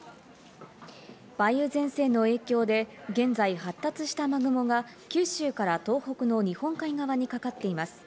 梅雨前線の影響で、現在、発達した雨雲が九州から東北の日本海側にかかっています。